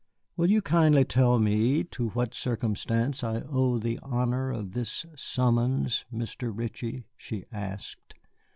"Will you kindly tell me to what circumstance I owe the honor of this summons, Mr. Ritchie?" she asked.